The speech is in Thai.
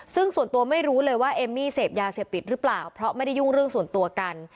ซึ่งส่วนตัวไม่รู้เลยว่าเอมมี่เสพยาเสพติดหรือเปล่าเพราะไม่ได้ยุ่งเรื่องส่วนตัวกัน